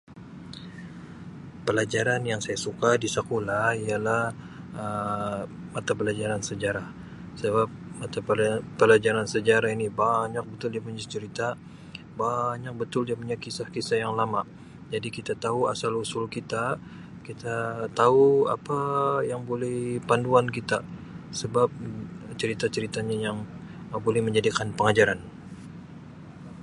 Pelajaran yang saya suka di sukulah ialah Um mata pelajaran sejarah sebab mata pela-pelajaran sejarah ini banyak betul dia punya cerita banyak betul dia punya kisah-kisah yang lama jadi kita tau asal usul kita kita tau apa yang bole panduan kita sebab cerita-ceritanya yang boleh menjadikan pengajaran.